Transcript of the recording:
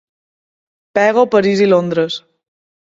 Pego, París i Londres.